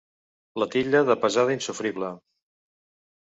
La titlla de pesada insofrible.